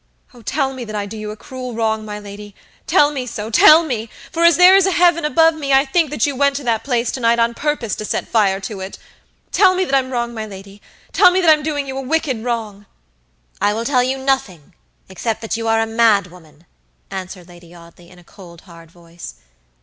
Oh, tell me that I do you a cruel wrong, my lady; tell me sotell me! for as there is a Heaven above me I think that you went to that place to night on purpose to set fire to it. Tell me that I'm wrong, my lady; tell me that I'm doing you a wicked wrong." "I will tell you nothing, except that you are a mad woman," answered Lady Audley; in a cold, hard voice.